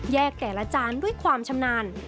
แต่ละจานด้วยความชำนาญ